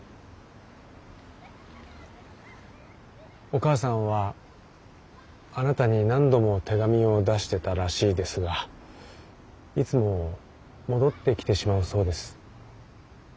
お母さんはあなたに何度も手紙を出してたらしいですがいつも戻ってきてしまうそうです。